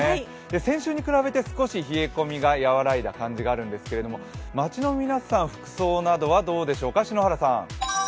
先週に比べて少し冷え込みが和らいだ感じがありますが街の皆さん、服装などはどうでしょうか？